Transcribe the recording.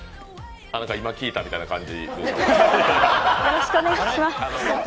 何か今聞いたみたいな感じ？